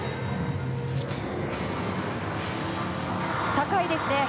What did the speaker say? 高いですね。